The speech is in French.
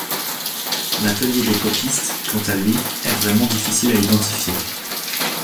L'atelier des copistes, quant à lui, est vraiment difficile à identifier.